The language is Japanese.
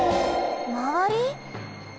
まわり？